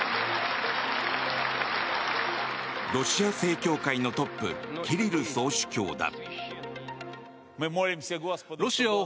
ロシア正教会のトップキリル総主教だ。